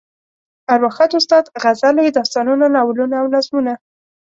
ارواښاد استاد غزلې، داستانونه، ناولونه او نظمونه.